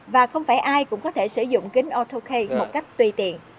và không phải ai cũng có thể sử dụng kính auto k một cách tùy tiện